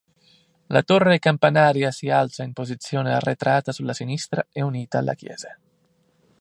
La torre campanaria si alza in posizione arretrata sulla sinistra e unita alla chiesa.